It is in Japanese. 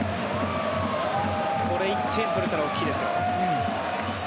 これ１点取れたら大きいですよ。